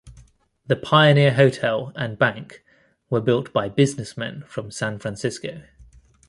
The Pioneer Hotel and Bank were built by businessmen from San Francisco.